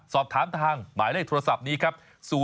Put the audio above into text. สอบถามทางหมายเลขโทรศัพท์นี้ครับ